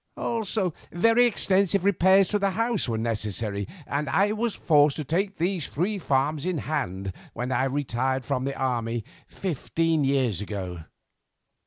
Also very extensive repairs to the house were necessary, and I was forced to take three farms in hand when I retired from the army fifteen years ago.